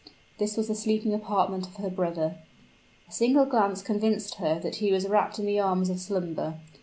This was the sleeping apartment of her brother. A single glance convinced her that he was wrapt in the arms of slumber.